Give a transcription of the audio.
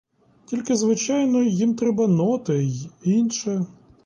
Тільки, звичайно, їм треба ноти й інше.